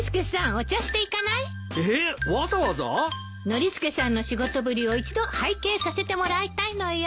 ノリスケさんの仕事ぶりを一度拝見させてもらいたいのよ。